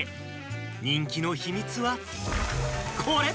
人気の秘密はこれ！